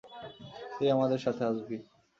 তুই আমাদের সাথে আসবি।